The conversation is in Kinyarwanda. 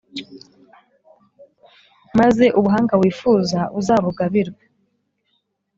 maze ubuhanga wifuza uzabugabirwe